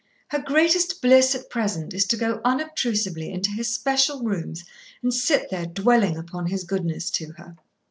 Her greatest bliss at present is to go unobtrusively into his special rooms and sit there dwelling upon his goodness to her."